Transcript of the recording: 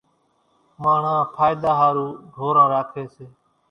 ماڻۿان ڦائۮا ۿارُو ڍوران راکيَ سي۔